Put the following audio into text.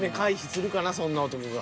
そんな男が。